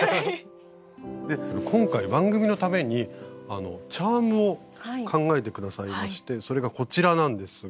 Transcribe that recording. で今回番組のためにチャームを考えて下さいましてそれがこちらなんですが。